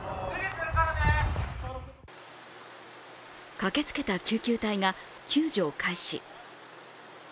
駆けつけた救急隊が救助を開始。